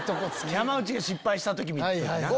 山内が失敗した時見た時な。